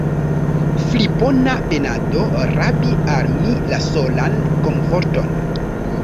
Fripona penado rabi al mi la solan komforton!